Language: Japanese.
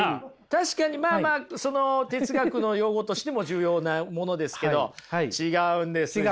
確かにまあまあ哲学の用語としても重要なものですけど違うんです。